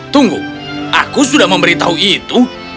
tunggu aku sudah memberitahu itu